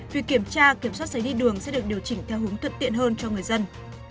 việc kiểm tra kiểm soát giấy đi đường sẽ được điều chỉnh theo hướng thuận tiện hơn cho người dân